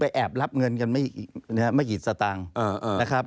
แอบรับเงินกันไม่กี่สตางค์นะครับ